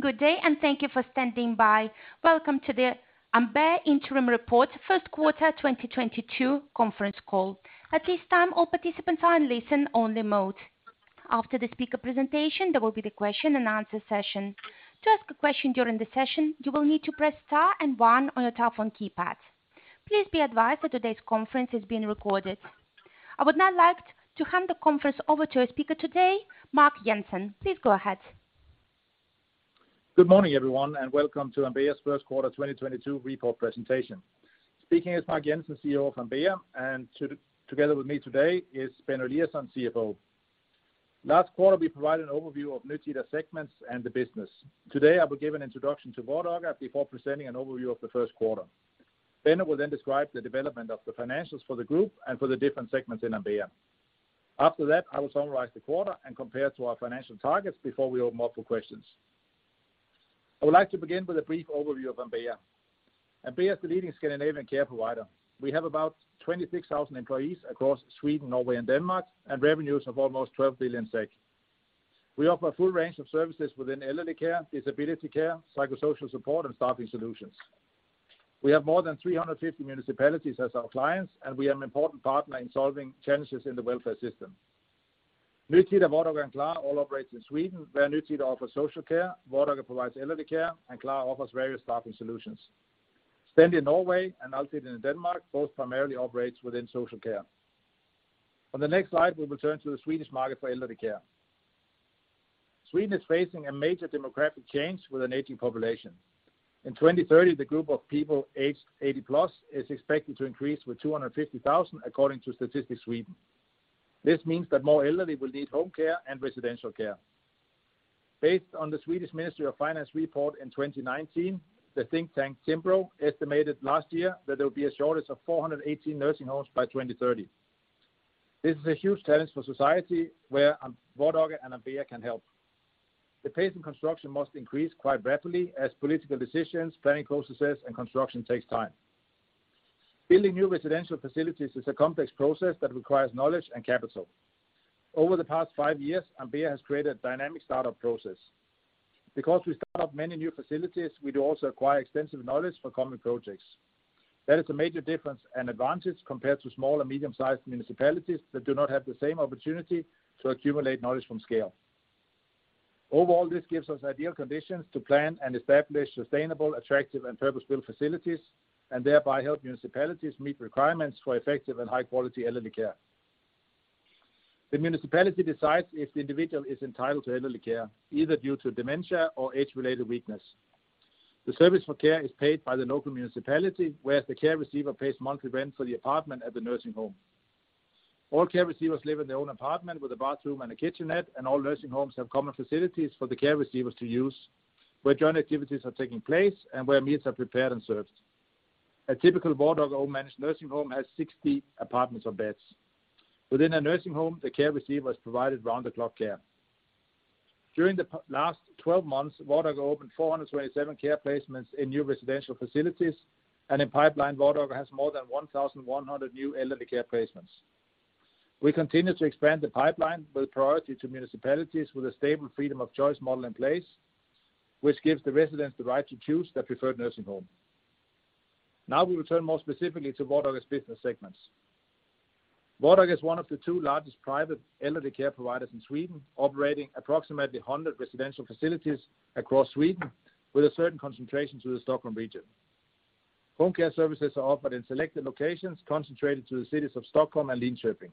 Good day, and thank you for standing by. Welcome to the Ambea Interim Report First Quarter 2022 conference call. At this time, all participants are in listen only mode. After the speaker presentation, there will be the question and answer session. To ask a question during the session, you will need to press Star and One on your telephone keypad. Please be advised that today's conference is being recorded. I would now like to hand the conference over to our speaker today, Mark Jensen. Please go ahead. Good morning, everyone, and welcome to Ambea's first quarter 2022 report presentation. This is Mark Jensen, CEO of Ambea, and together with me today is Benno Eliasson, CFO. Last quarter, we provided an overview of Nytida segments and the business. Today, I will give an introduction to Vardaga before presenting an overview of the first quarter. Then I will describe the development of the financials for the group and for the different segments in Ambea. After that, I will summarize the quarter and compare to our financial targets before we open more for questions. I would like to begin with a brief overview of Ambea. Ambea is the leading Scandinavian care provider. We have about 26,000 employees across Sweden, Norway, and Denmark, and revenues of almost 12 billion SEK. We offer a full range of services within elderly care, disability care, psychosocial support, and staffing solutions. We have more than 350 municipalities as our clients, and we are an important partner in solving challenges in the welfare system. Nytida, Vardaga, and Klara all operates in Sweden, where Nytida offers social care, Vardaga provides elderly care, and Klara offers various staffing solutions. Stendi in Norway and Altiden in Denmark both primarily operates within social care. On the next slide, we will turn to the Swedish market for elderly care. Sweden is facing a major demographic change with an aging population. In 2030, the group of people aged 80+ is expected to increase with 250,000 according to Statistics Sweden. This means that more elderly will need home care and residential care. Based on the Swedish Ministry of Finance report in 2019, the think tank, Timbro, estimated last year that there will be a shortage of 418 nursing homes by 2030. This is a huge challenge for society where Vardaga and Ambea can help. The pace in construction must increase quite rapidly as political decisions, planning processes, and construction takes time. Building new residential facilities is a complex process that requires knowledge and capital. Over the past five years, Ambea has created a dynamic startup process. Because we start many new facilities, we do also acquire extensive knowledge for common projects. That is a major difference and advantage compared to small and medium-sized municipalities that do not have the same opportunity to accumulate knowledge from scale. Overall, this gives us ideal conditions to plan and establish sustainable, attractive, and purpose-built facilities, and thereby help municipalities meet requirements for effective and high-quality elderly care. The municipality decides if the individual is entitled to elderly care, either due to dementia or age-related weakness. The service for care is paid by the local municipality, whereas the care receiver pays monthly rent for the apartment at the nursing home. All care receivers live in their own apartment with a bathroom and a kitchenette, and all nursing homes have common facilities for the care receivers to use, where joint activities are taking place and where meals are prepared and served. A typical Vardaga-owned managed nursing home has 60 apartments or beds. Within a nursing home, the care receiver is provided round-the-clock care. During the last twelve months, Vardaga opened 427 care placements in new residential facilities, andu in pipeline, Vardaga has more than 1,100 new elderly care placements. We continue to expand the pipeline with priority to municipalities with a stable freedom of choice model in place, which gives the residents the right to choose their preferred nursing home. Now we will turn more specifically to Vardaga's business segments. Vardaga is one of the two largest private elderly care providers in Sweden, operating approximately 100 residential facilities across Sweden with a certain concentration to the Stockholm region. Home care services are offered in selected locations concentrated to the cities of Stockholm and Linköping.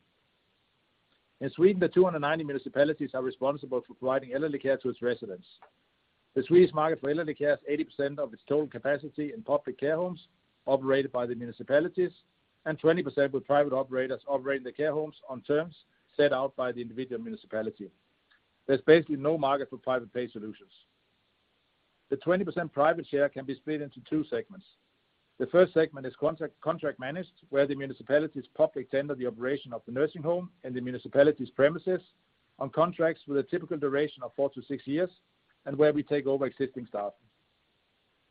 In Sweden, the 290 municipalities are responsible for providing elderly care to its residents. The Swedish market for elderly care has 80% of its total capacity in public care homes operated by the municipalities and 20% with private operators operating the care homes on terms set out by the individual municipality. There's basically no market for private pay solutions. The 20% private share can be split into two segments. The first segment is contract managed, where the municipality publicly tenders the operation of the nursing home and the municipality's premises on contracts with a typical duration of four to six years and where we take over existing staff.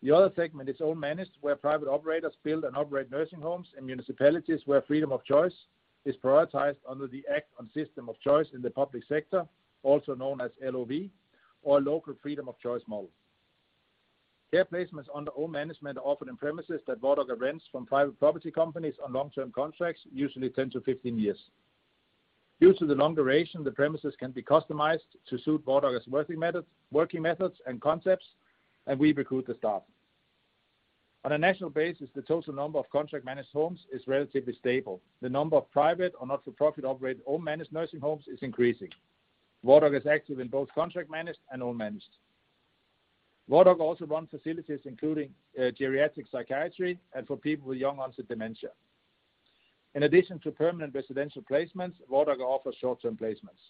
The other segment is own managed, where private operators build and operate nursing homes in municipalities where freedom of choice is prioritized under the Act on System of Choice in the Public Sector, also known as LOV, or Local Freedom of Choice Model. Care placements under own management are offered in premises that Vardaga rents from private property companies on long-term contracts, usually 10-15 years. Due to the long duration, the premises can be customized to suit Vardaga's working methods and concepts, and we recruit the staff. On a national basis, the total number of contract managed homes is relatively stable. The number of private or not-for-profit operated own managed nursing homes is increasing. Vardaga is active in both contract managed and own managed. Vardaga also run facilities, including geriatric psychiatry and for people with young onset dementia. In addition to permanent residential placements, Vardaga offers short-term placements.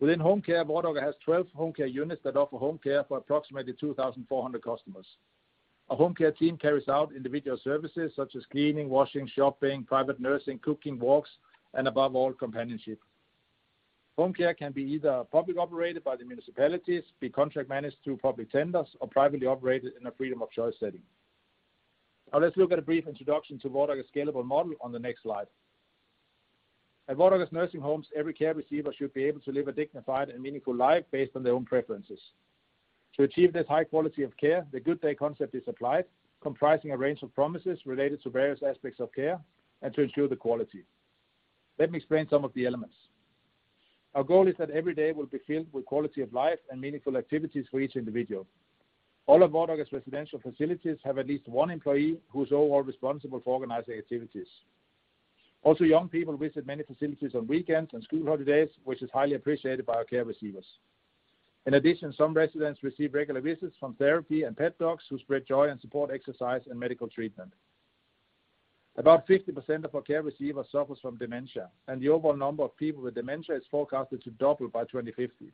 Within home care, Vardaga has 12 home care units that offer home care for approximately 2,400 customers. A home care team carries out individual services such as cleaning, washing, shopping, private nursing, cooking, walks, and above all, companionship. Home care can be either public operated by the municipalities, be contract managed through public tenders, or privately operated in a freedom of choice setting. Now let's look at a brief introduction to Vardaga's scalable model on the next slide. At Vardaga's nursing homes, every care receiver should be able to live a dignified and meaningful life based on their own preferences. To achieve this high quality of care, The Good Day concept is applied, comprising a range of promises related to various aspects of care and to ensure the quality. Let me explain some of the elements. Our goal is that every day will be filled with quality of life and meaningful activities for each individual. All of Vardaga's residential facilities have at least one employee who's overall responsible for organizing activities. Young people visit many facilities on weekends and school holiday days, which is highly appreciated by our care receivers. In addition, some residents receive regular visits from therapy and pet dogs who spread joy and support exercise and medical treatment. About 50% of our care receivers suffers from dementia, and the overall number of people with dementia is forecasted to double by 2050.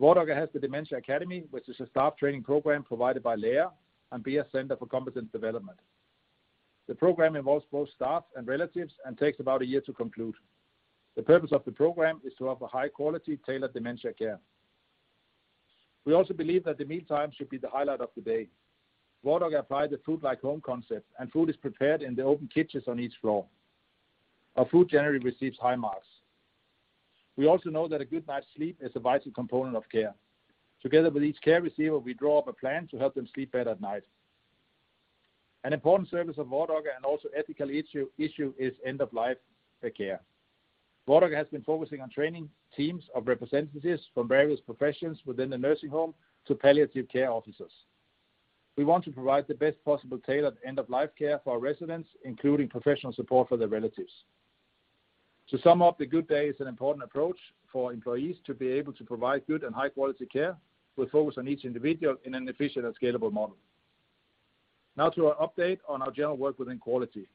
Vardaga has the Dementia Academy, which is a staff training program provided by Lära and is a center for competence development. The program involves both staff and relatives and takes about a year to conclude. The purpose of the program is to offer high-quality tailored dementia care. We also believe that the mealtime should be the highlight of the day. Vardaga applied the Food Like Home concept, and food is prepared in the open kitchens on each floor. Our food generally receives high marks. We also know that a good night's sleep is a vital component of care. Together with each care receiver, we draw up a plan to help them sleep better at night. An important service of Vardaga, and also ethical issue, is end-of-life care. Vardaga has been focusing on training teams of representatives from various professions within the nursing home to palliative care officers. We want to provide the best possible tailored end-of-life care for our residents, including professional support for their relatives. To sum up, The Good Day is an important approach for employees to be able to provide good and high-quality care with focus on each individual in an efficient and scalable model. Now to our update on our general work within quality.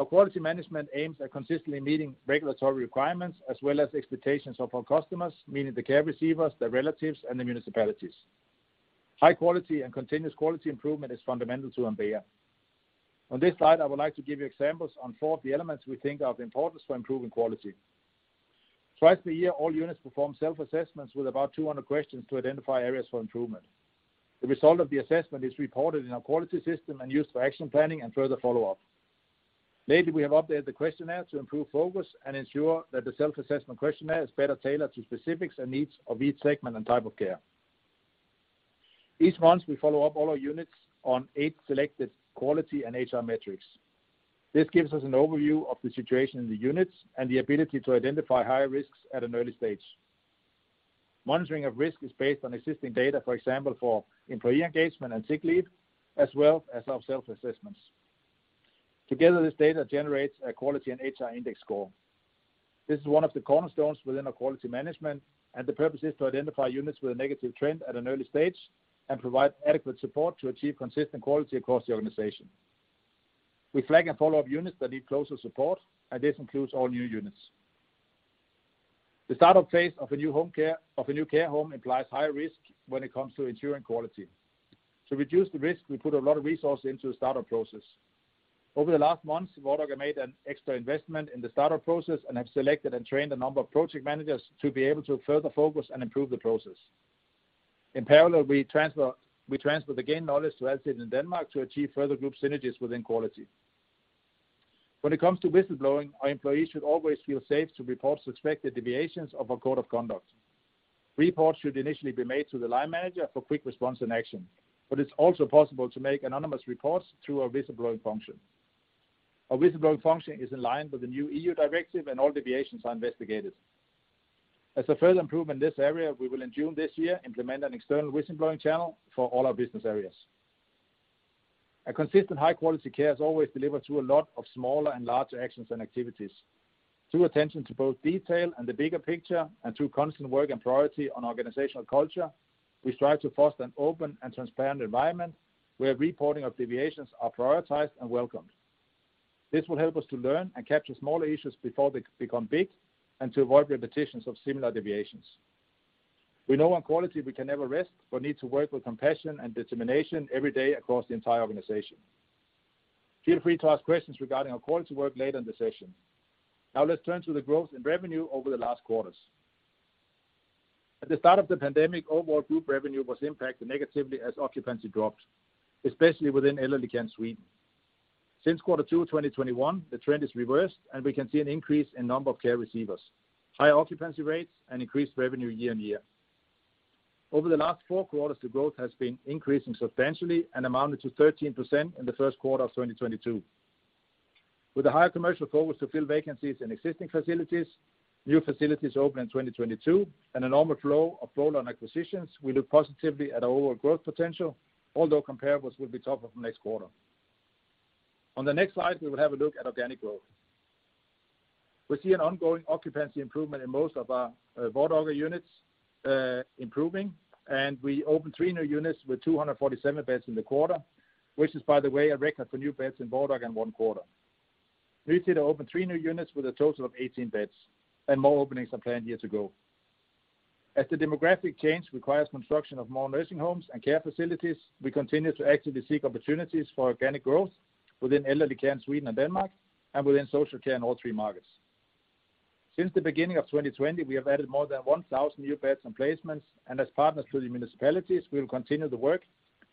Our quality management aims at consistently meeting regulatory requirements as well as expectations of our customers, meaning the care receivers, their relatives, and the municipalities. High quality and continuous quality improvement is fundamental to Ambea. On this slide, I would like to give you examples on 4 of the elements we think are of importance to improving quality. Twice a year, all units perform self-assessments with about 200 questions to identify areas for improvement. The result of the assessment is reported in our quality system and used for action planning and further follow-up. Lately, we have updated the questionnaire to improve focus and ensure that the self-assessment questionnaire is better tailored to specifics and needs of each segment and type of care. Each month, we follow up all our units on eight selected quality and HR metrics. This gives us an overview of the situation in the units and the ability to identify higher risks at an early stage. Monitoring of risk is based on existing data, for example, for employee engagement and sick leave, as well as our self-assessments. Together, this data generates a quality and HR index score. This is one of the cornerstones within our quality management, and the purpose is to identify units with a negative trend at an early stage and provide adequate support to achieve consistent quality across the organization. We flag and follow up units that need closer support, and this includes all new units. The start-up phase of a new care home implies high risk when it comes to ensuring quality. To reduce the risk, we put a lot of resource into the start-up process. Over the last months, Vardaga made an extra investment in the start-up process and have selected and trained a number of project managers to be able to further focus and improve the process. In parallel, we transfer the gained knowledge to Altiden in Denmark to achieve further group synergies within quality. When it comes to whistleblowing, our employees should always feel safe to report suspected deviations of our code of conduct. Reports should initially be made to the line manager for quick response and action, but it's also possible to make anonymous reports through our whistleblowing function. Our whistleblowing function is in line with the new EU directive, and all deviations are investigated. As a further improvement in this area, we will, in June this year, implement an external whistleblowing channel for all our business areas. A consistent high-quality care is always delivered through a lot of smaller and larger actions and activities. Through attention to both detail and the bigger picture, and through constant work and priority on organizational culture, we strive to foster an open and transparent environment where reporting of deviations are prioritized and welcomed. This will help us to learn and capture smaller issues before they become big and to avoid repetitions of similar deviations. We know on quality we can never rest, but need to work with compassion and determination every day across the entire organization. Feel free to ask questions regarding our quality work later in the session. Now let's turn to the growth in revenue over the last quarters. At the start of the pandemic, overall group revenue was impacted negatively as occupancy dropped, especially within Elderly care in Sweden. Since Q2 2021, the trend is reversed, and we can see an increase in number of care receivers, high occupancy rates, and increased revenue year-on-year. Over the last four quarters, the growth has been increasing substantially and amounted to 13% in Q1 2022. With a higher commercial focus to fill vacancies in existing facilities, new facilities open in 2022 and a normal flow of roll-on acquisitions, we look positively at our overall growth potential, although comparables will be tougher from next quarter. On the next slide, we will have a look at organic growth. We see an ongoing occupancy improvement in most of our Vardaga units improving, and we opened three new units with 247 beds in the quarter, which is, by the way, a record for new beds in Vardaga in one quarter. Vardaga opened 3 new units with a total of 18 beds and more openings are planned years ahead. As the demographic change requires construction of more nursing homes and care facilities, we continue to actively seek opportunities for organic growth within Elderly Care in Sweden and Denmark and within Social Care in all three markets. Since the beginning of 2020, we have added more than 1,000 new beds and placements, and as partners to the municipalities, we will continue the work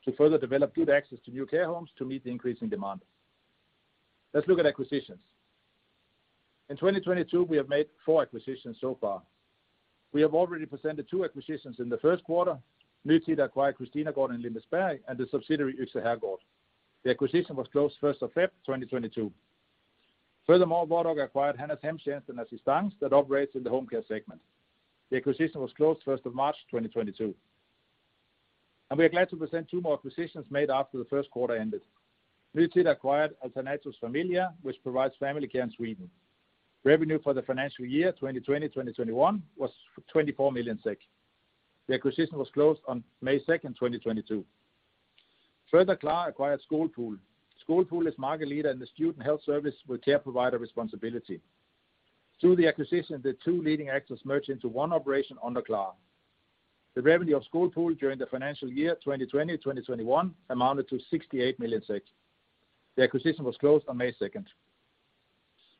to further develop good access to new care homes to meet the increasing demand. Let's look at acquisitions. In 2022, we have made four acquisitions so far. We have already presented two acquisitions in the first quarter. Nytida acquired Christinagården in Lindesberg and the subsidiary Yxe Herrgård. The acquisition was closed the first of February 2022. Furthermore, Vardaga acquired Hemmahjälpen Assistans that operates in the home care segment. The acquisition was closed the first of March 2022. We are glad to present two more acquisitions made after the first quarter ended. Nytida acquired Alternatus Familia, which provides family care in Sweden. Revenue for the financial year 2020/2021 was 24 million SEK. The acquisition was closed on May second 2022. Further, Klara acquired SkolPool. SkolPool is market leader in the student health service with care provider responsibility. Through the acquisition, the two leading actors merge into one operation under Klara. The revenue of SkolPool during the financial year 2020/2021 amounted to 68 million. The acquisition was closed on May 2nd.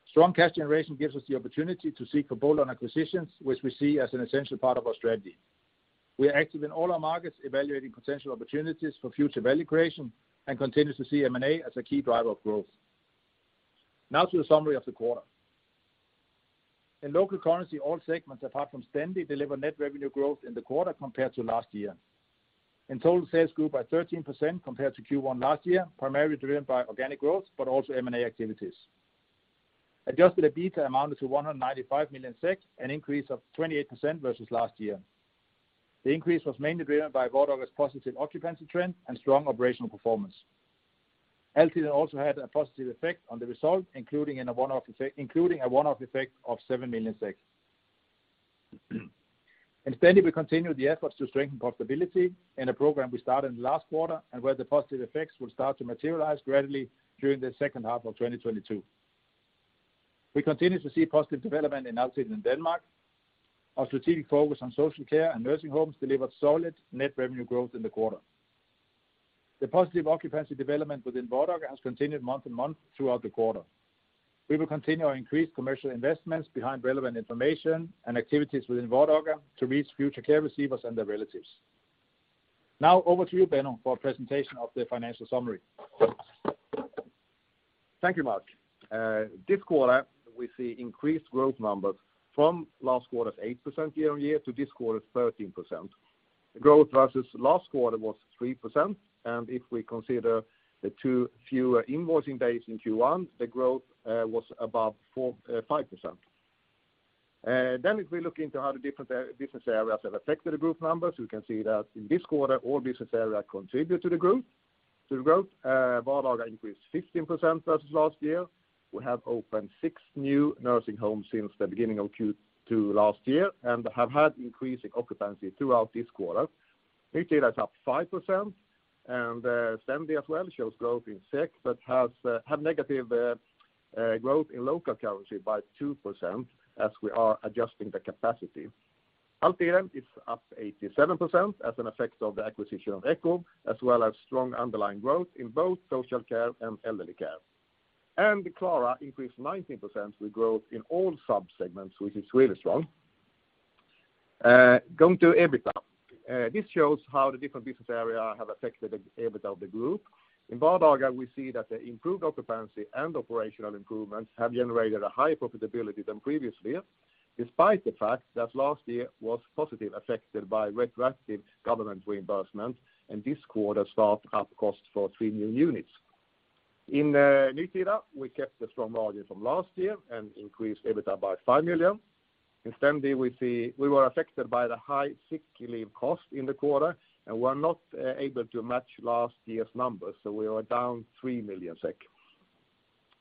Strong cash generation gives us the opportunity to seek for bolt-on acquisitions, which we see as an essential part of our strategy. We are active in all our markets evaluating potential opportunities for future value creation and continue to see M&A as a key driver of growth. Now to the summary of the quarter. In local currency, all segments apart from Stendi deliver net revenue growth in the quarter compared to last year. In total, sales grew by 13% compared to Q1 last year, primarily driven by organic growth, but also M&A activities. Adjusted EBITDA amounted to 195 million SEK, an increase of 28% versus last year. The increase was mainly driven by Vardaga's positive occupancy trend and strong operational performance. Altiden also had a positive effect on the result, including a one-off effect of 7 million. In Stendi, we continue the efforts to strengthen profitability in a program we started last quarter and where the positive effects will start to materialize gradually during the second half of 2022. We continue to see positive development in Altiden in Denmark. Our strategic focus on social care and nursing homes delivered solid net revenue growth in the quarter. The positive occupancy development within Vardaga has continued month-to-month throughout the quarter. We will continue our increased commercial investments behind relevant information and activities within Vardaga to reach future care receivers and their relatives. Now over to you, Benno, for a presentation of the financial summary. Thank you, Mark. This quarter, we see increased growth numbers from last quarter's 8% year-on-year to this quarter's 13%. Growth versus last quarter was 3%, and if we consider the two fewer invoicing days in Q1, the growth was above 4-5%. If we look into how the different business areas have affected the group numbers, we can see that in this quarter, all business areas contribute to the group, to the growth. Vardaga increased 15% versus last year. We have opened 6 new nursing homes since the beginning of Q2 last year and have had increasing occupancy throughout this quarter. Nytida is up 5%, and Stendi as well shows growth in SEK but has negative growth in local currency by 2% as we are adjusting the capacity. Altiden is up 87% as an effect of the acquisition of EKKO, as well as strong underlying growth in both social care and elderly care. Klara increased 19% with growth in all sub-segments, which is really strong. Going to EBITDA. This shows how the different business area have affected the EBITDA of the group. In Vardaga, we see that the improved occupancy and operational improvements have generated a higher profitability than previous years, despite the fact that last year was positive affected by retroactive government reimbursement, and this quarter start-up costs for three new units. In Nytida, we kept the strong margin from last year and increased EBITDA by 5 million. In Stendi, we see we were affected by the high sick leave cost in the quarter and were not able to match last year's numbers, so we were down 3 million SEK.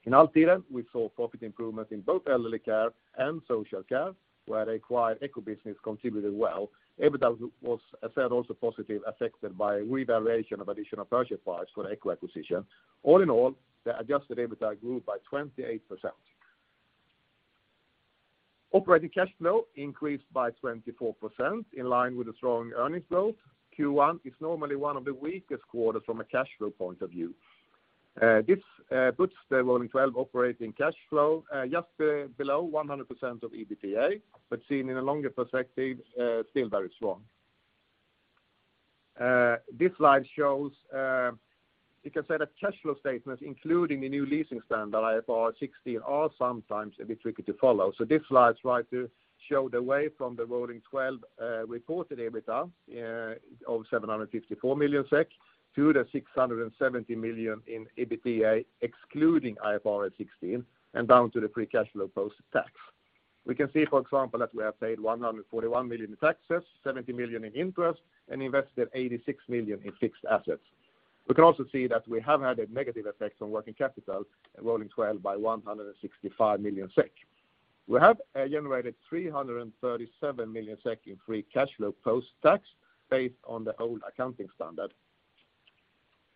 In Altiden, we saw profit improvement in both elderly care and social care, where acquired EKKOfonden business contributed well. EBITDA was also positively affected by revaluation of additional purchase price for the EKKO acquisition. All in all, the adjusted EBITDA grew by 28%. Operating cash flow increased by 24% in line with the strong earnings growth. Q1 is normally one of the weakest quarters from a cash flow point of view. This puts the rolling twelve operating cash flow just below 100% of EBITDA, but seen in a longer perspective, still very strong. This slide shows you can say the cash flow statements including the new leasing standard IFRS 16 are sometimes a bit tricky to follow. This slide is right to show the way from the rolling twelve reported EBITDA of 754 million SEK to the 670 million in EBITA excluding IFRS 16 and down to the free cash flow post-tax. We can see, for example, that we have paid 141 million in taxes, 70 million in interest, and invested 86 million in fixed assets. We can also see that we have had a negative effect on working capital rolling twelve by 165 million SEK. We have generated 337 million SEK in free cash flow post-tax based on the old accounting standard.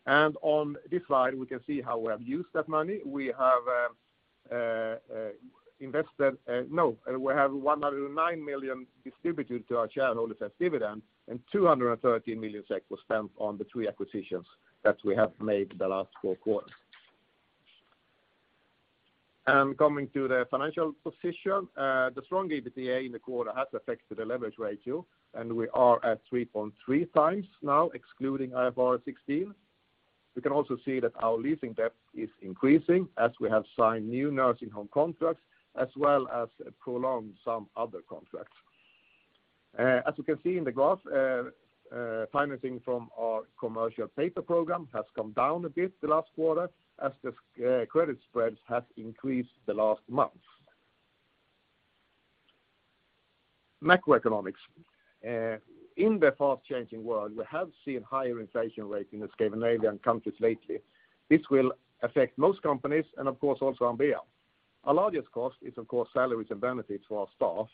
On this slide, we can see how we have used that money. We have 109 million distributed to our shareholders as dividends, and 213 million SEK was spent on the three acquisitions that we have made the last four quarters. Coming to the financial position, the strong EBITA in the quarter has affected the leverage ratio, and we are at 3.3 times now excluding IFRS 16. We can also see that our leasing debt is increasing as we have signed new nursing home contracts as well as prolonged some other contracts. As you can see in the graph, financing from our commercial paper program has come down a bit the last quarter as the credit spreads have increased the last month. Macroeconomics. In the fast-changing world, we have seen higher inflation rates in the Scandinavian countries lately. This will affect most companies and of course also Ambea. Our largest cost is of course salaries and benefits for our staff.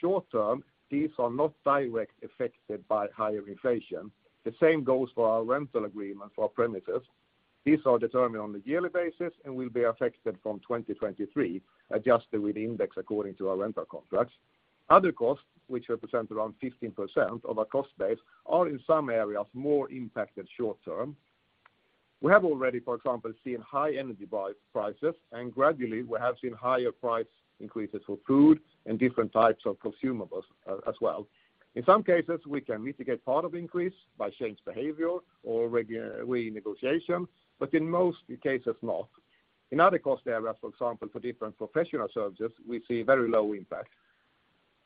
Short term, these are not directly affected by higher inflation. The same goes for our rental agreement for our premises. These are determined on a yearly basis and will be affected from 2023, adjusted with index according to our rental contracts. Other costs, which represent around 15% of our cost base, are in some areas more impacted short term. We have already, for example, seen high energy prices, and gradually we have seen higher price increases for food and different types of consumables, as well. In some cases, we can mitigate part of increase by changed behavior or renegotiation, but in most cases not. In other cost areas, for example, for different professional services, we see very low impact.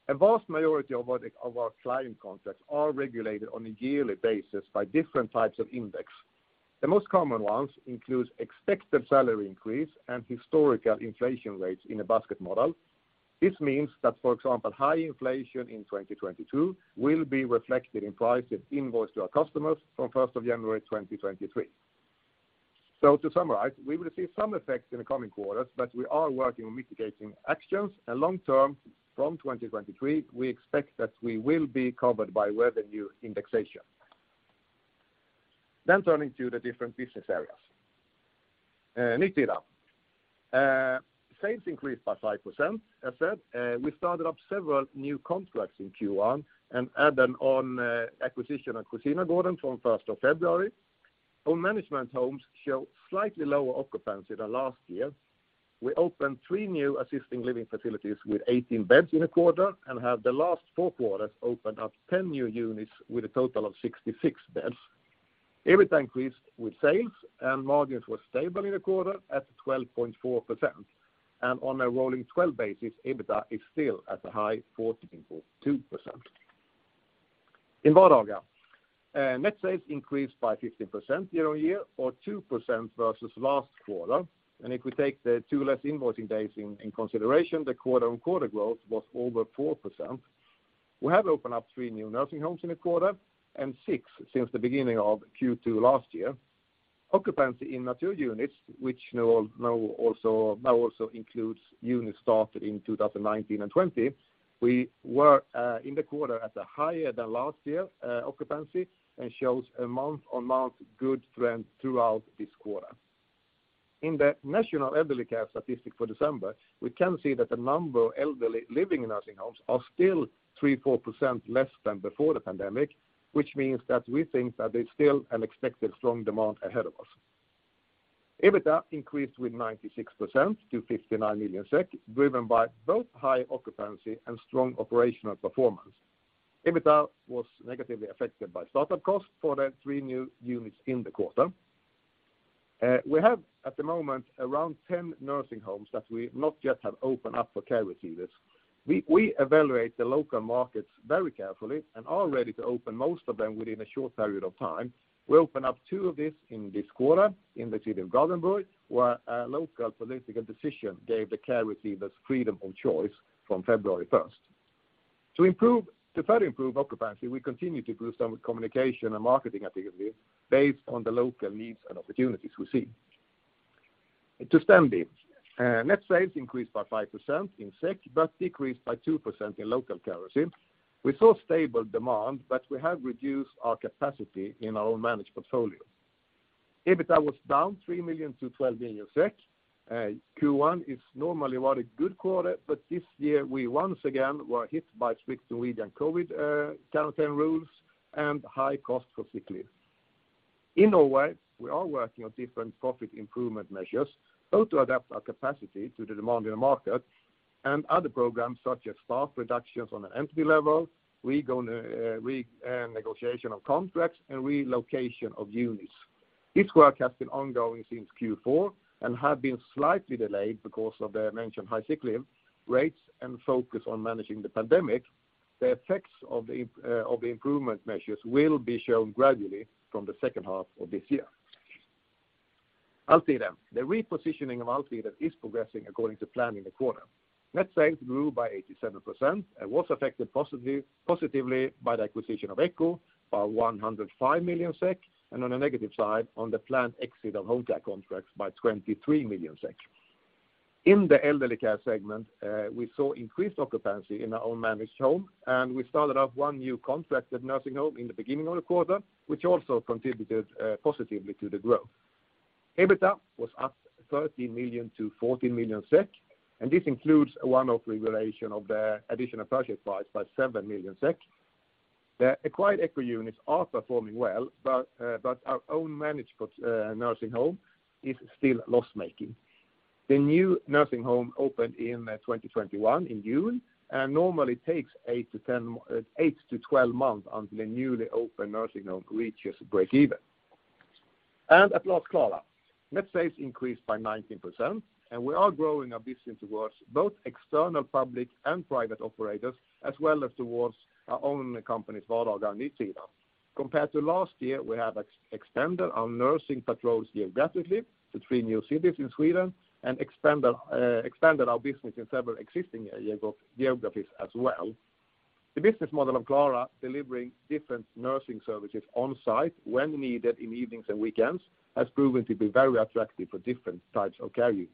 A vast majority of our client contracts are regulated on a yearly basis by different types of index. The most common ones includes expected salary increase and historical inflation rates in a basket model. This means that, for example, high inflation in 2022 will be reflected in prices invoiced to our customers from first of January 2023. To summarize, we will see some effects in the coming quarters, but we are working on mitigating actions. Long term, from 2023, we expect that we will be covered by revenue indexation. Turning to the different business areas. Nytida. Sales increased by 5%, as said. We started up several new contracts in Q1 and added on acquisition of Christinagården from 1st of February. Our management homes show slightly lower occupancy than last year. We opened three new assisted living facilities with 18 beds in the quarter and have the last four quarters opened up 10 new units with a total of 66 beds. EBITDA increased with sales, and margins were stable in the quarter at 12.4%. On a rolling 12 basis, EBITDA is still at a high 14.2%. In Vardaga, net sales increased by 15% year-on-year, or 2% versus last quarter. If we take the two less invoicing days in consideration, the quarter-on-quarter growth was over 4%. We have opened up three new nursing homes in the quarter, and six since the beginning of Q2 last year. Occupancy in mature units, which now also includes units started in 2019 and 2020, we were in the quarter at a higher than last year occupancy and shows a month-on-month good trend throughout this quarter. In the national elderly care statistic for December, we can see that the number of elderly living in nursing homes are still 3%-4% less than before the pandemic, which means that we think that there's still an expected strong demand ahead of us. EBITDA increased with 96% to 59 million SEK, driven by both high occupancy and strong operational performance. EBITDA was negatively affected by startup costs for the three new units in the quarter. We have at the moment around 10 nursing homes that we not yet have opened up for care receivers. We evaluate the local markets very carefully and are ready to open most of them within a short period of time. We opened up two of these in this quarter in the city of Gothenburg, where a local political decision gave the care receivers freedom of choice from February 1st. To further improve occupancy, we continue to boost our communication and marketing activities based on the local needs and opportunities we see. To Stendi. Net sales increased by 5% in SEK, but decreased by 2% in local currency. We saw stable demand, but we have reduced our capacity in our own managed portfolio. EBITDA was down 3 million-12 million SEK. Q1 is normally not a good quarter, but this year we once again were hit by strict Norwegian COVID quarantine rules and high cost of sick leave. In Norway, we are working on different profit improvement measures, both to adapt our capacity to the demand in the market and other programs such as staff reductions on an entity level, negotiation of contracts, and relocation of units. This work has been ongoing since Q4 and have been slightly delayed because of the mentioned high sick leave rates and focus on managing the pandemic. The effects of the improvement measures will be shown gradually from the second half of this year. Altiden. The repositioning of Altiden is progressing according to plan in the quarter. Net sales grew by 87% and was affected positively by the acquisition of EKKO by 105 million SEK, and on a negative side, on the planned exit of Hjørta contracts by 23 million SEK. In the elderly care segment, we saw increased occupancy in our own managed home, and we started up one new contracted nursing home in the beginning of the quarter, which also contributed positively to the growth. EBITDA was up 13 million-14 million SEK, and this includes a one-off regulation of the additional purchase price by 7 million SEK. The acquired EKKO units are performing well, but our own managed nursing home is still loss-making. The new nursing home opened in 2021 in June, and normally takes eight to 12 months until a newly opened nursing home reaches breakeven. At last, Klara. Net sales increased by 19%, and we are growing our business towards both external public and private operators, as well as towards our own companies, Vardaga and Nytida. Compared to last year, we have expanded our nursing patrols geographically to three new cities in Sweden, and expanded our business in several existing geographies as well. The business model of Klara delivering different nursing services on-site when needed in evenings and weekends has proven to be very attractive for different types of caregivers.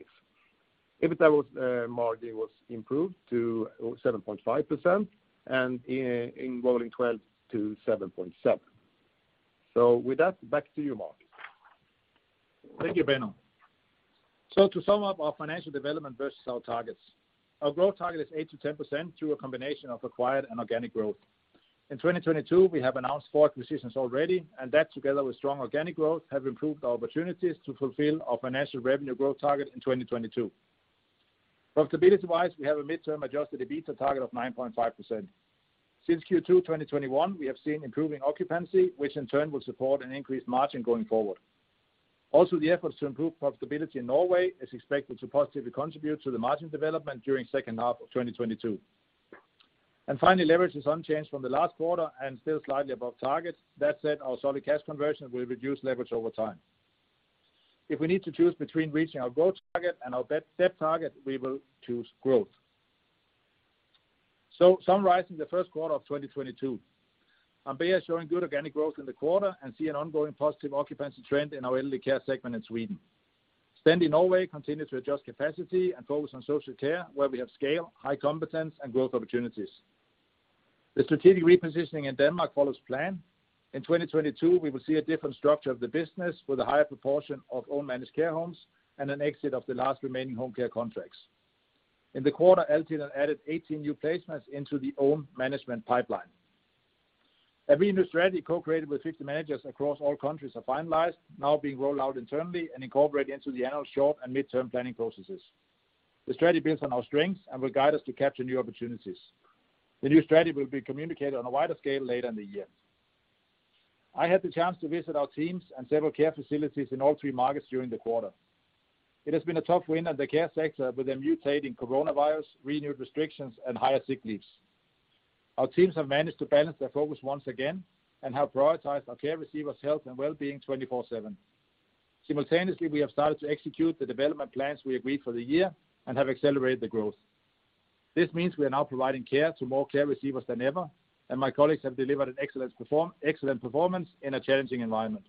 EBITDA margin was improved to 7.5%, and in rolling twelve to 7.7%. With that, back to you, Mark. Thank you, Benno. To sum up our financial development versus our targets. Our growth target is 8%-10% through a combination of acquired and organic growth. In 2022, we have announced four acquisitions already, and that together with strong organic growth, have improved our opportunities to fulfill our financial revenue growth target in 2022. Profitability-wise, we have a midterm adjusted EBITDA target of 9.5%. Since Q2 2021, we have seen improving occupancy, which in turn will support an increased margin going forward. Also, the efforts to improve profitability in Norway is expected to positively contribute to the margin development during second half of 2022. Finally, leverage is unchanged from the last quarter and still slightly above target. That said, our solid cash conversion will reduce leverage over time. If we need to choose between reaching our growth target and our debt target, we will choose growth. Summarizing the first quarter of 2022, Ambea is showing good organic growth in the quarter and see an ongoing positive occupancy trend in our elderly care segment in Sweden. Stendi Norway continue to adjust capacity and focus on social care where we have scale, high competence, and growth opportunities. The strategic repositioning in Denmark follows plan. In 2022, we will see a different structure of the business with a higher proportion of own managed care homes and an exit of the last remaining home care contracts. In the quarter, Altiden added 18 new placements into the own management pipeline. Every new strategy co-created with 50 managers across all countries are finalized, now being rolled out internally and incorporated into the annual short and midterm planning processes. The strategy builds on our strengths and will guide us to capture new opportunities. The new strategy will be communicated on a wider scale later in the year. I had the chance to visit our teams and several care facilities in all three markets during the quarter. It has been a tough winter in the care sector with a mutating coronavirus, renewed restrictions, and higher sick leaves. Our teams have managed to balance their focus once again and have prioritized our care receivers' health and well-being 24/7. Simultaneously, we have started to execute the development plans we agreed for the year and have accelerated the growth. This means we are now providing care to more care receivers than ever, and my colleagues have delivered excellent performance in a challenging environment.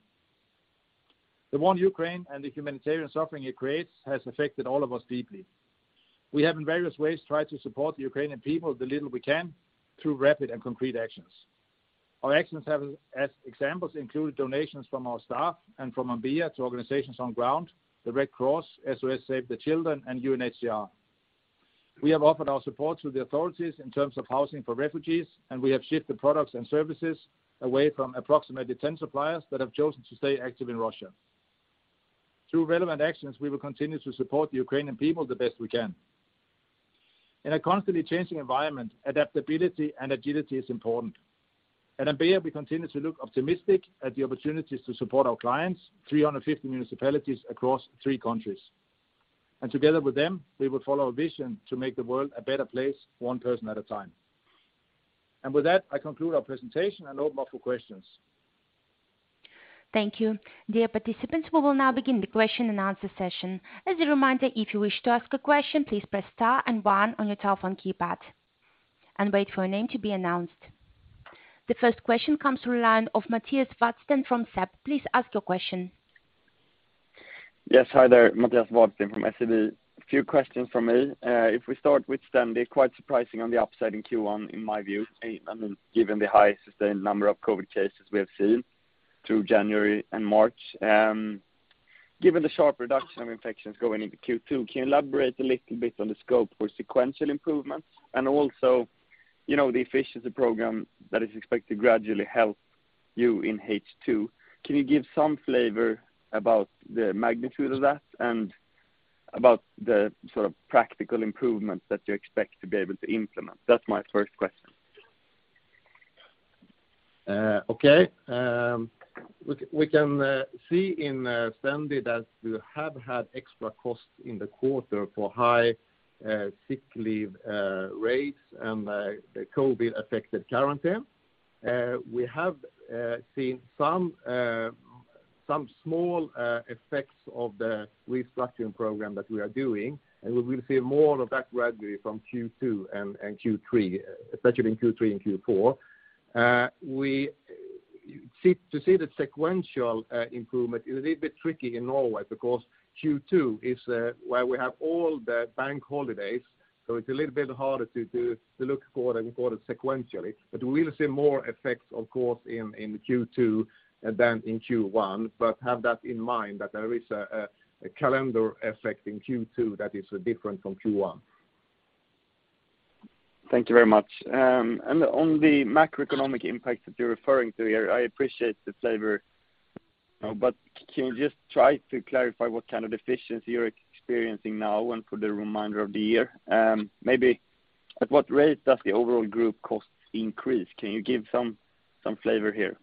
The war in Ukraine and the humanitarian suffering it creates has affected all of us deeply. We have in various ways tried to support the Ukrainian people the little we can through rapid and concrete actions. Our actions have, as examples, included donations from our staff and from Ambea to organizations on ground, the Red Cross, Save the Children, and UNHCR. We have offered our support to the authorities in terms of housing for refugees, and we have shifted products and services away from approximately ten suppliers that have chosen to stay active in Russia. Through relevant actions, we will continue to support the Ukrainian people the best we can. In a constantly changing environment, adaptability and agility is important. At Ambea, we continue to look optimistic at the opportunities to support our clients, 350 municipalities across three countries. Together with them, we will follow our vision to make the world a better place one person at a time. With that, I conclude our presentation and open up for questions. Thank you. Dear participants, we will now begin the question and answer session. As a reminder, if you wish to ask a question, please press star and one on your telephone keypad and wait for your name to be announced. The first question comes from the line of Matthias Wådsten from SEB. Please ask your question. Yes. Hi there, Matthias Wådsten from SEB. A few questions from me. If we start with Stendi, quite surprising on the upside in Q1 in my view, and given the highest sustained number of COVID cases we have seen through January and March. Given the sharp reduction of infections going into Q2, can you elaborate a little bit on the scope for sequential improvements? And also, you know, the efficiency program that is expected to gradually help you in H2, can you give some flavor about the magnitude of that and about the sort of practical improvements that you expect to be able to implement? That's my first question. Okay. We can see in Stendi that we have had extra costs in the quarter for high sick leave rates and COVID-affected quarantine. We have seen some small effects of the restructuring program that we are doing, and we will see more of that gradually from Q2 and Q3, especially in Q3 and Q4. To see the sequential improvement is a little bit tricky in Norway because Q2 is where we have all the bank holidays, so it's a little bit harder to look for it sequentially. We will see more effects of course in Q2 than in Q1, but have that in mind that there is a calendar effect in Q2 that is different from Q1. Thank you very much. On the macroeconomic impact that you're referring to here, I appreciate the flavor, but can you just try to clarify what kind of efficiency you're experiencing now and for the remainder of the year? Maybe at what rate does the overall group cost increase? Can you give some flavor here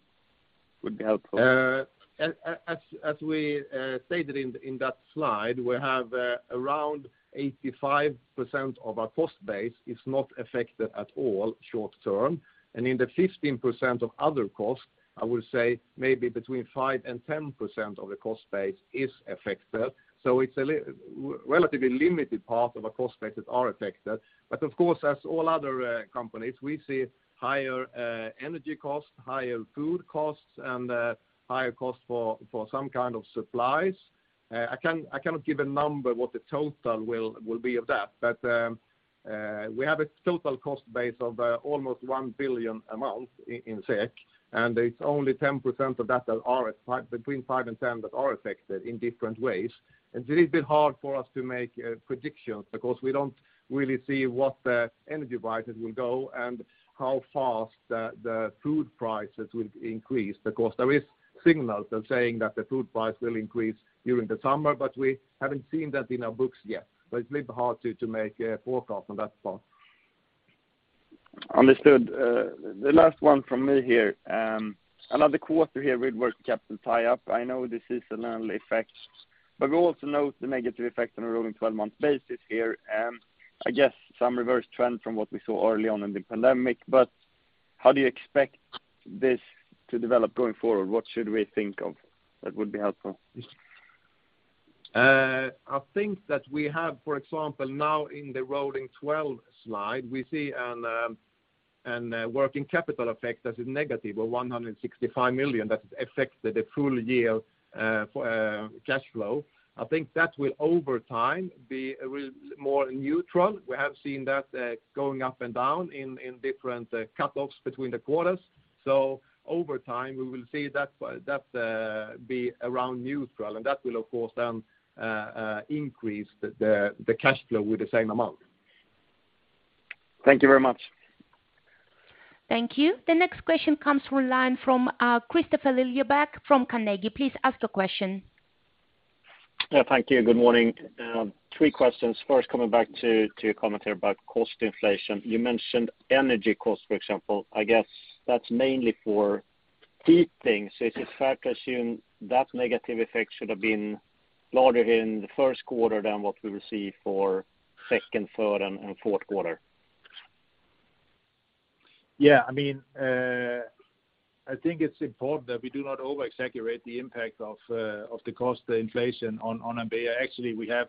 would be helpful. As we stated in that slide, we have around 85% of our cost base is not affected at all short term. In the 15% of other costs, I will say maybe between 5%-10% of the cost base is affected. It's a relatively limited part of our cost bases are affected. Of course, as all other companies, we see higher energy costs, higher food costs, and higher costs for some kind of supplies. I cannot give a number what the total will be of that. We have a total cost base of almost 1 billion, and it's only 10% of that that are between 5%-10% that are affected in different ways. It is a bit hard for us to make predictions because we don't really see what the energy prices will go and how fast the food prices will increase. Because there is signals that saying that the food price will increase during the summer, but we haven't seen that in our books yet. It's a little hard to make a forecast on that front. Understood. The last one from me here. Another quarter here with working capital tie up. I know this is a known effect, but we also note the negative effect on a rolling twelve-month basis here. I guess some reverse trend from what we saw early on in the pandemic, but how do you expect this to develop going forward? What should we think of? That would be helpful. I think that we have, for example, now in the rolling twelve slide, we see a working capital effect that is negative, of 165 million that affects the full year cash flow. I think that will over time be a little more neutral. We have seen that going up and down in different cutoffs between the quarters. Over time, we will see that be around neutral. That will of course then increase the cash flow with the same amount. Thank you very much. Thank you. The next question comes from the line of Kristofer Liljeberg from Carnegie. Please ask the question. Yeah, thank you. Good morning. Three questions. First, coming back to your commentary about cost inflation. You mentioned energy costs, for example. I guess that's mainly for heating. Is it fair to assume that negative effect should have been larger in the first quarter than what we will see for second, third, and fourth quarter? I mean, I think it's important that we do not over-exaggerate the impact of the cost inflation on Ambea. Actually, we have,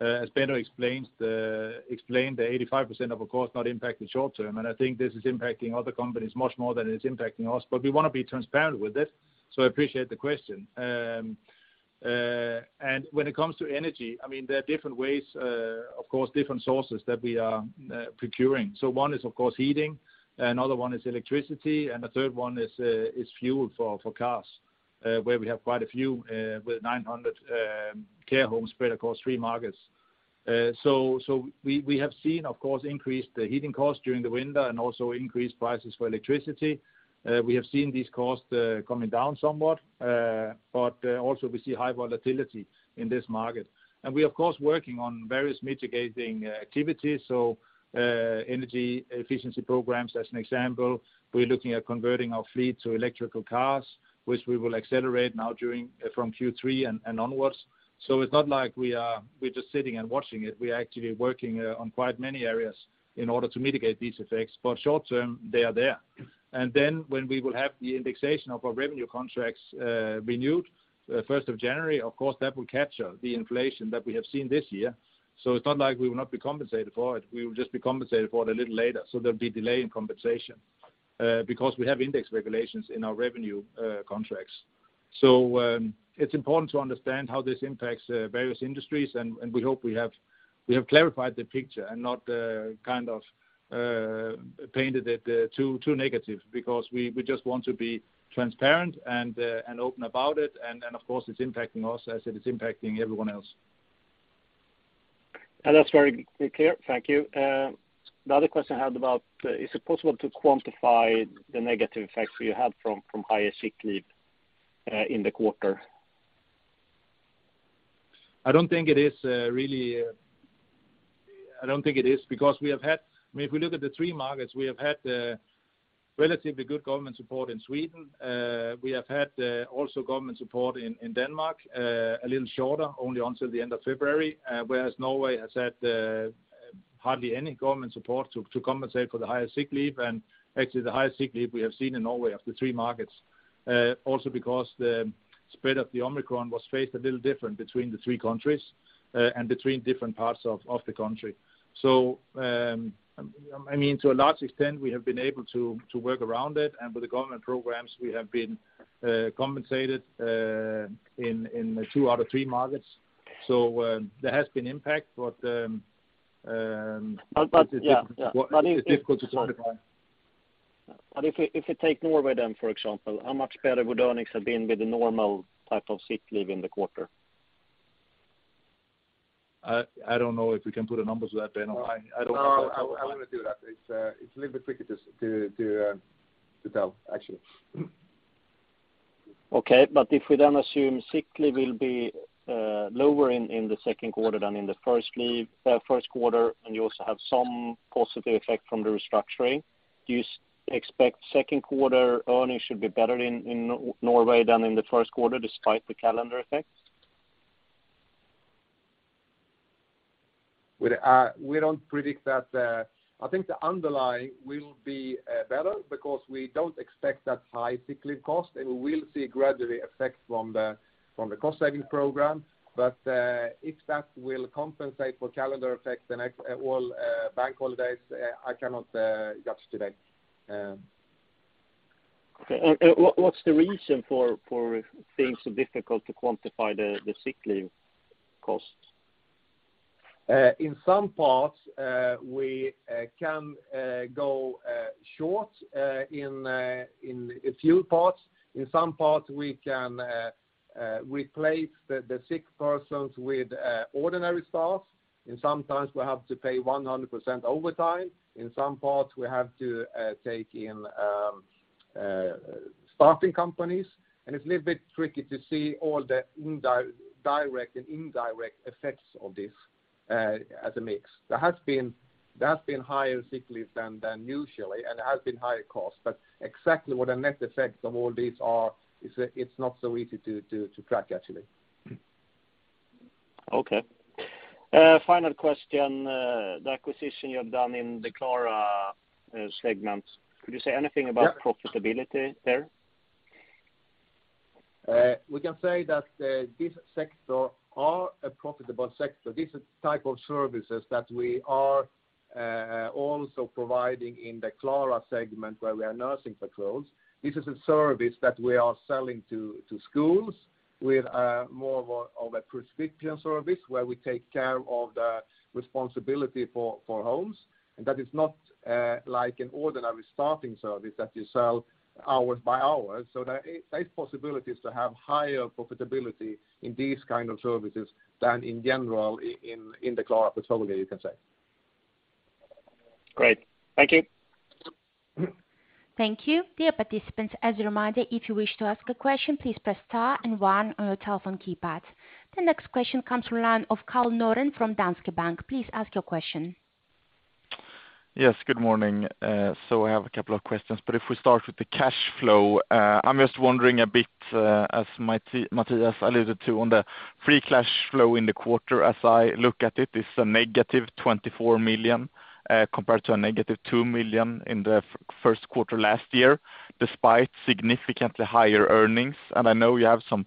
as Benno explained, 85% of our costs not impacted short term, and I think this is impacting other companies much more than it's impacting us. We wanna be transparent with it, so I appreciate the question. When it comes to energy, I mean, there are different ways, of course, different sources that we are procuring. One is, of course, heating. Another one is electricity, and the third one is fuel for cars, where we have quite a few with 900 care homes spread across three markets. We have seen, of course, increased heating costs during the winter and also increased prices for electricity. We have seen these costs coming down somewhat, but also we see high volatility in this market. We are of course working on various mitigating activities. Energy efficiency programs as an example. We are looking at converting our fleet to electric cars, which we will accelerate now from Q3 and onwards. It's not like we are just sitting and watching it. We are actually working on quite many areas in order to mitigate these effects. Short term, they are there. Then when we will have the indexation of our revenue contracts renewed first of January, of course, that will capture the inflation that we have seen this year. It's not like we will not be compensated for it. We will just be compensated for it a little later, so there'll be delay in compensation, because we have index regulations in our revenue contracts. It's important to understand how this impacts various industries and we hope we have clarified the picture and not kind of painted it too negative because we just want to be transparent and open about it. Of course it's impacting us as it is impacting everyone else. Yeah, that's very clear. Thank you. The other question I had about, is it possible to quantify the negative effects you had from higher sick leave in the quarter? I don't think it is really because if we look at the three markets, we have had relatively good government support in Sweden. We have had also government support in Denmark, a little shorter, only until the end of February. Whereas Norway has had hardly any government support to compensate for the higher sick leave, and actually the highest sick leave we have seen in Norway of the three markets. Also because the spread of the Omicron was faced a little different between the three countries, and between different parts of the country. I mean, to a large extent, we have been able to work around it, and with the government programs, we have been compensated in two out of three markets. There has been impact, but. Yeah. It's difficult to quantify. If we take Norway then, for example, how much better would earnings have been with a normal type of sick leave in the quarter? I don't know if we can put a number to that, Daniel. No, I wouldn't do that. It's a little bit tricky to tell actually. Mm-hmm. Okay. If we then assume sick leave will be lower in the second quarter than in the first quarter, and you also have some positive effect from the restructuring, do you expect second quarter earnings should be better in Norway than in the first quarter despite the calendar effects? We don't predict that. I think the underlying will be better because we don't expect that high sick leave cost, and we will see gradual effect from the cost-saving program. If that will compensate for calendar effects. Well, bank holidays, I cannot judge today. Okay. What's the reason for it being so difficult to quantify the sick leave costs? In some parts, we can go short in a few parts. In some parts we can replace the sick persons with ordinary staff. In some times we have to pay 100% overtime. In some parts we have to take in staffing companies. It's a little bit tricky to see all the direct and indirect effects of this, as a mix. There has been higher sick leave than usually, and there has been higher cost. Exactly what the net effects of all these are, it's not so easy to track actually. Okay. Final question. The acquisition you have done in the Klara segment, could you say anything about- Yeah Profitability there? We can say that this sector are a profitable sector. These are type of services that we are also providing in the Klara segment where we are nurse personnel. This is a service that we are selling to schools with more of a prescription service where we take care of the responsibility for health. That is not like an ordinary staffing service that you sell hour by hour. There is possibilities to have higher profitability in these kind of services than in general in the Klara portfolio, you can say. Great. Thank you. Mm-hmm. Thank you. Dear participants, as a reminder, if you wish to ask a question, please press star and one on your telephone keypad. The next question comes from the line of Karl Norén from Danske Bank. Please ask your question. Yes, good morning. So I have a couple of questions, but if we start with the cash flow. I'm just wondering a bit, as Matthias alluded to on the free cash flow in the quarter. As I look at it's a -24 million, compared to a -2 million in the first quarter last year, despite significantly higher earnings. I know you have some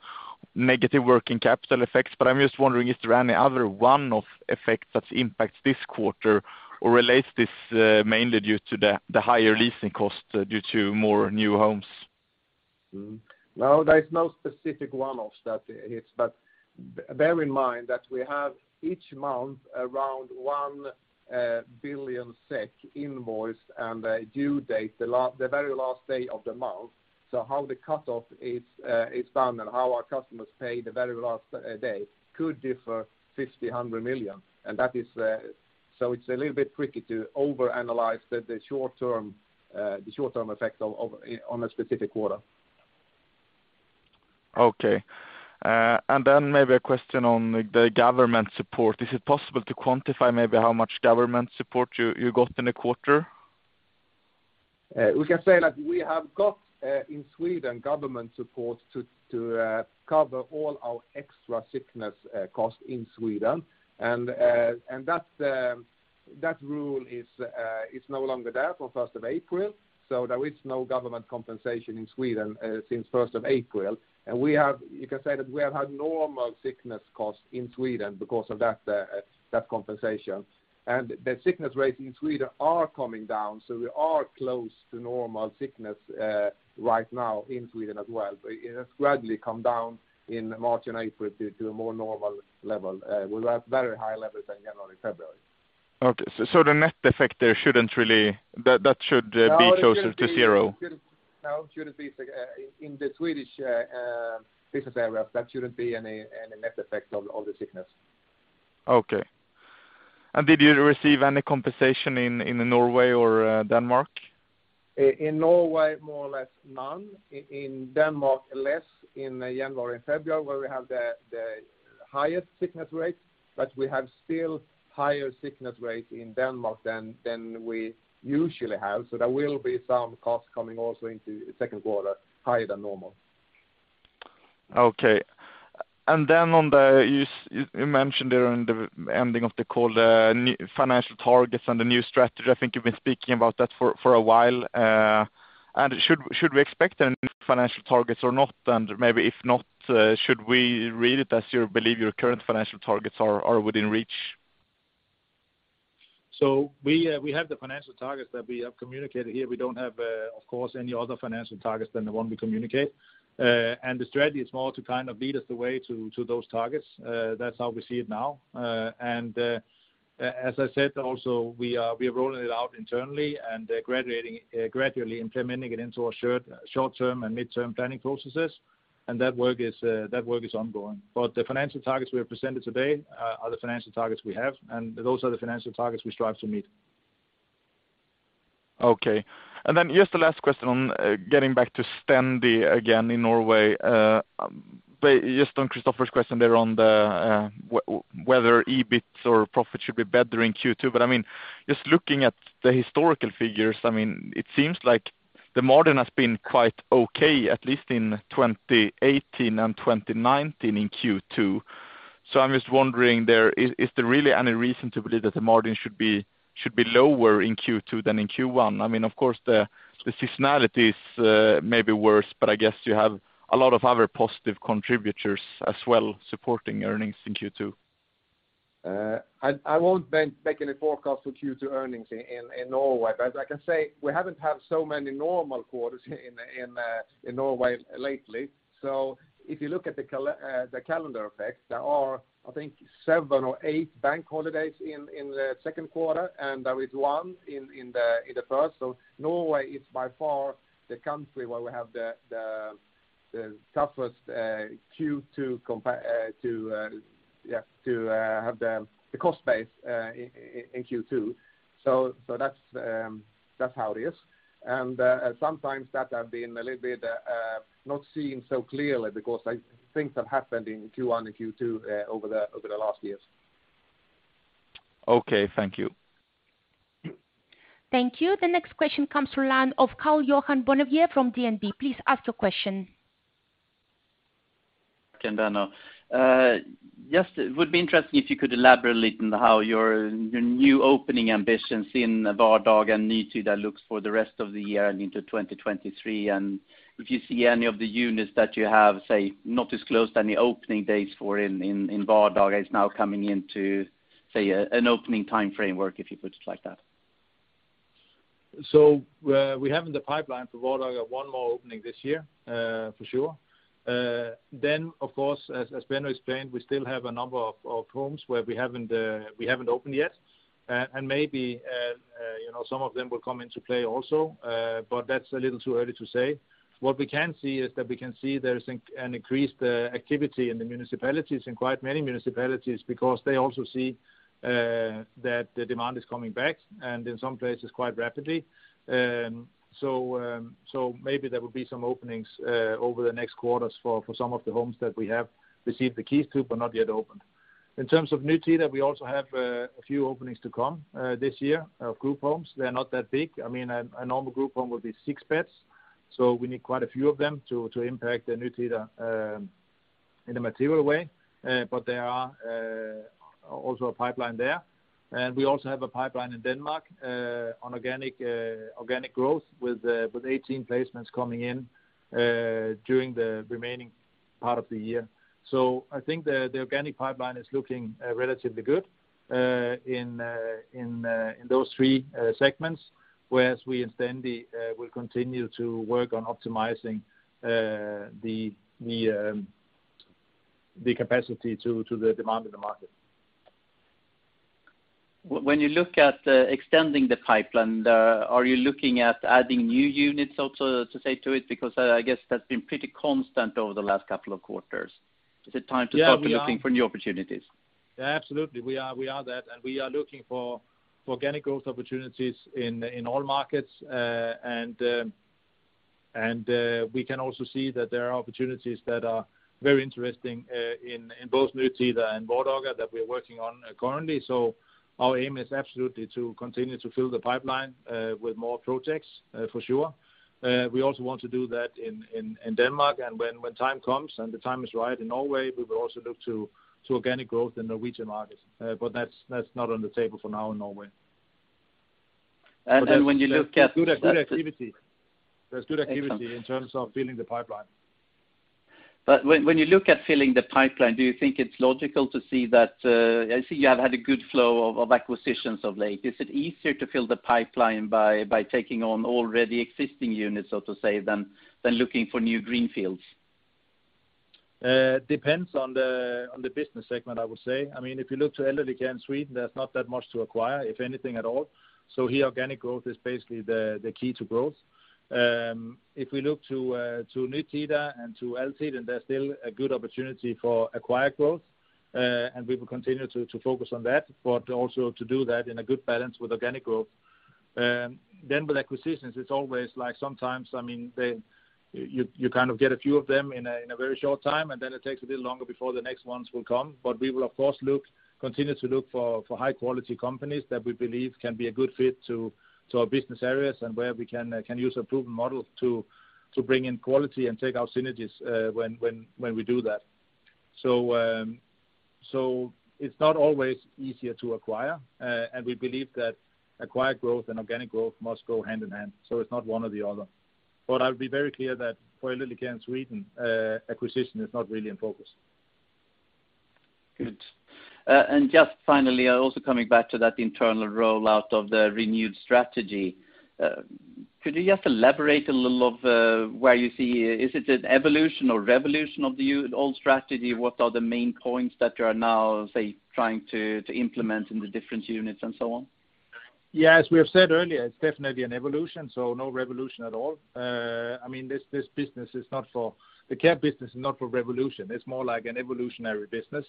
negative working capital effects, but I'm just wondering is there any other one-off effect that impacts this quarter, or relates this, mainly due to the higher leasing costs due to more new homes? No, there is no specific one-offs that hits. Bear in mind that we have each month around 1 billion SEK invoiced and a due date the very last day of the month. How the cutoff is done and how our customers pay the very last day could differ 50 million-100 million. That is. It is a little bit tricky to overanalyze the short term effect of on a specific quarter. Okay. Maybe a question on the government support. Is it possible to quantify maybe how much government support you got in the quarter? We can say that we have got in Sweden government support to cover all our extra sickness costs in Sweden. That rule is no longer there from 1st of April, so there is no government compensation in Sweden since 1st of April. You can say that we have had normal sickness costs in Sweden because of that compensation. The sickness rates in Sweden are coming down, so we are close to normal sickness right now in Sweden as well. It has gradually come down in March and April to a more normal level. We were at very high levels in January, February. Okay. The net effect there shouldn't really. That should be closer to zero. No, it shouldn't be in the Swedish business areas. There shouldn't be any net effect of the sickness. Okay. Did you receive any compensation in Norway or Denmark? In Norway, more or less none. In Denmark, less in January and February where we have the highest sickness rates. We have still higher sickness rates in Denmark than we usually have, so there will be some costs coming also into second quarter higher than normal. Okay. You mentioned during the ending of the call new financial targets and the new strategy. I think you've been speaking about that for a while. Should we expect any new financial targets or not? Maybe if not, should we read it as you believe your current financial targets are within reach? We have the financial targets that we have communicated here. We don't have, of course, any other financial targets than the one we communicate. The strategy is more to kind of lead us the way to those targets. That's how we see it now. As I said also, we are rolling it out internally and gradually implementing it into our short-term and mid-term planning processes. That work is ongoing. The financial targets we have presented today are the financial targets we have, and those are the financial targets we strive to meet. Okay. Just the last question on getting back to Stendi again in Norway. Just on Kristofer's question there on the whether EBIT or profit should be better in Q2, but I mean, just looking at the historical figures, I mean, it seems like the margin has been quite okay, at least in 2018 and 2019 in Q2. I'm just wondering there, is there really any reason to believe that the margin should be lower in Q2 than in Q1? I mean, of course the seasonality is maybe worse, but I guess you have a lot of other positive contributors as well supporting earnings in Q2. I won't then make any forecast for Q2 earnings in Norway. I can say we haven't had so many normal quarters in Norway lately. If you look at the calendar effect, there are, I think, seven or eight bank holidays in the second quarter, and there is one in the first. Norway is by far the country where we have the toughest Q2 to have the cost base in Q2. That's how it is. Sometimes that have been a little bit not seen so clearly because I think that happened in Q1 and Q2 over the last years. Okay, thank you. Thank you. The next question comes from line of Karl-Johan Bonnevier from DNB. Please ask your question. Thank you, Benno. Just it would be interesting if you could elaborate on how your new opening ambitions in Vardaga need to see how that looks for the rest of the year and into 2023. If you see any of the units that you have, say, not disclosed any opening dates for in Vardaga now coming into, say, an opening framework, if you put it like that. We have in the pipeline for Vardaga one more opening this year, for sure. Of course, as Benno explained, we still have a number of homes where we haven't opened yet. Maybe you know, some of them will come into play also, but that's a little too early to say. What we can see is that we can see there is an increased activity in the municipalities, in quite many municipalities, because they also see that the demand is coming back, and in some places quite rapidly. Maybe there will be some openings over the next quarters for some of the homes that we have received the keys to, but not yet opened. In terms of Nytida, we also have a few openings to come this year of group homes. They are not that big. I mean, a normal group home would be six beds, so we need quite a few of them to impact the Nytida in a material way. But there are also a pipeline there. We also have a pipeline in Denmark on organic growth with eighteen placements coming in during the remaining part of the year. I think the organic pipeline is looking relatively good in those three segments, whereas we in Stendi will continue to work on optimizing the capacity to the demand in the market. When you look at extending the pipeline, are you looking at adding new units also to say to it? Because I guess that's been pretty constant over the last couple of quarters. Is it time to start- Yeah, we are. Looking for new opportunities? Yeah, absolutely. We are that, and we are looking for organic growth opportunities in all markets. We can also see that there are opportunities that are very interesting in both Nytida and Vardaga that we're working on currently. Our aim is absolutely to continue to fill the pipeline with more projects, for sure. We also want to do that in Denmark. When time comes and the time is right in Norway, we will also look to organic growth in Norwegian markets. That's not on the table for now in Norway. When you look at. There's good activity. Excellent. in terms of filling the pipeline. When you look at filling the pipeline, do you think it's logical to see that I see you have had a good flow of acquisitions of late? Is it easier to fill the pipeline by taking on already existing units, so to say, than looking for new greenfields? Depends on the business segment, I would say. I mean, if you look to Vardaga in Sweden, there's not that much to acquire, if anything at all. Here organic growth is basically the key to growth. If we look to Nytida and to Altiden, then there's still a good opportunity for acquired growth, and we will continue to focus on that, but also to do that in a good balance with organic growth. With acquisitions, it's always like sometimes, I mean, you kind of get a few of them in a very short time, and then it takes a bit longer before the next ones will come. We will of course continue to look for high-quality companies that we believe can be a good fit to our business areas and where we can use a proven model to bring in quality and take our synergies when we do that. It's not always easier to acquire, and we believe that acquired growth and organic growth must go hand in hand, so it's not one or the other. I'll be very clear that for Vardaga in Sweden, acquisition is not really in focus. Good. Just finally, also coming back to that internal rollout of the renewed strategy, could you just elaborate a little on where you see. Is it an evolution or revolution of the old strategy? What are the main points that you are now, say, trying to implement in the different units and so on? Yeah, as we have said earlier, it's definitely an evolution, so no revolution at all. I mean, the care business is not for revolution. It's more like an evolutionary business.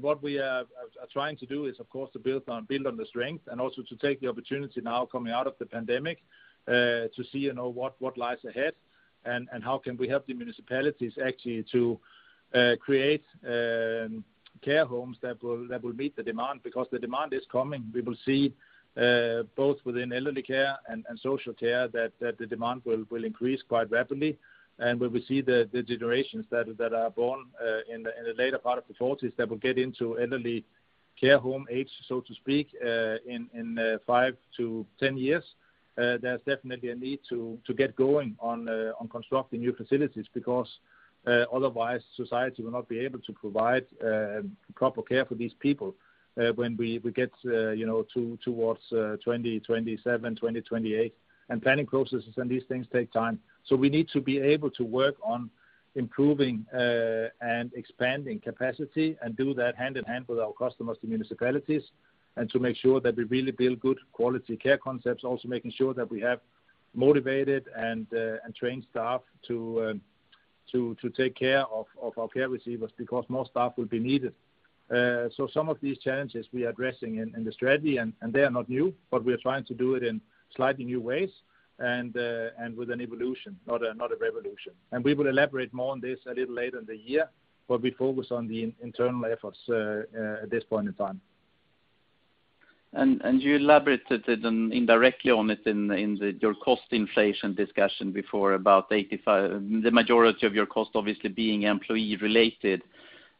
What we are trying to do is, of course, to build on the strength and also to take the opportunity now coming out of the pandemic to see, you know, what lies ahead and how can we help the municipalities actually to create care homes that will meet the demand because the demand is coming. We will see both within elderly care and social care that the demand will increase quite rapidly. When we see the generations that are born in the later part of the 1940s that will get into elderly care home age, so to speak, in five to 10 years, there's definitely a need to get going on constructing new facilities because otherwise society will not be able to provide proper care for these people when we get, you know, towards 2027, 2028. Planning processes and these things take time. We need to be able to work on improving and expanding capacity and do that hand in hand with our customers, the municipalities, and to make sure that we really build good quality care concepts, also making sure that we have motivated and trained staff to take care of our care receivers because more staff will be needed. Some of these challenges we are addressing in the strategy, and they are not new, but we are trying to do it in slightly new ways and with an evolution, not a revolution. We will elaborate more on this a little later in the year, but we focus on the internal efforts at this point in time. You elaborated on it indirectly in your cost inflation discussion before about 85%. The majority of your cost obviously being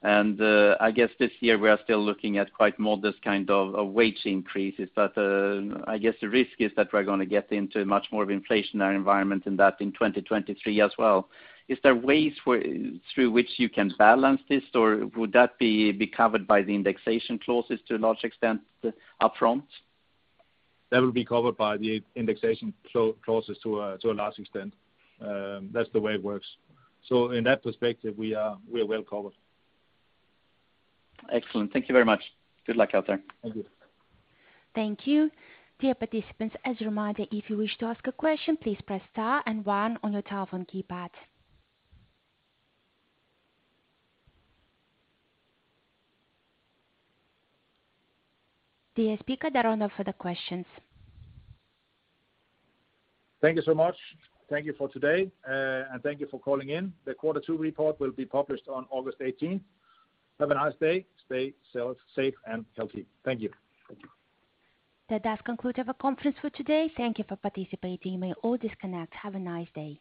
employee-related. I guess this year we are still looking at quite modest kind of wage increases. I guess the risk is that we're gonna get into much more of an inflationary environment than that in 2023 as well. Is there ways through which you can balance this, or would that be covered by the indexation clauses to a large extent upfront? That will be covered by the indexation clauses to a large extent. That's the way it works. In that perspective, we are well covered. Excellent. Thank you very much. Good luck out there. Thank you. Thank you. Dear participants, as a reminder, if you wish to ask a question, please press star and one on your telephone keypad. The speakers are now open for the questions. Thank you so much. Thank you for today. Thank you for calling in. The quarter two report will be published on August 18. Have a nice day. Stay safe and healthy. Thank you. Thank you. That does conclude our conference for today. Thank you for participating. You may all disconnect. Have a nice day.